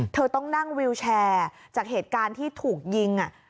เธอต้องนั่งวิวแชร์จากเหตุการณ์ที่ถูกยิง